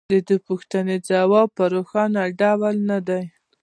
د دې پوښتنې ځواب په روښانه ډول نه دی